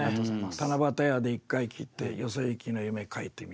「七夕や」で一回切って「よそいきの夢書いてみる」。